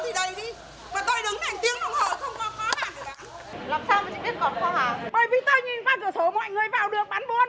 bởi vì tôi nhìn qua cửa sổ mọi người vào được bán buôn